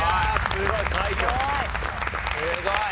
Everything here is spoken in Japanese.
すごい。